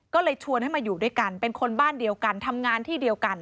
ก็เลยชวนให้มาอยู่ด้วยกันเป็นคนบ้านเดียวกันทำงานที่เดียวกัน